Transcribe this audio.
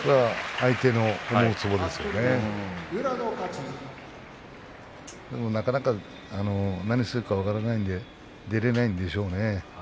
相手が何をするか分からないんで出られないんでしょうね。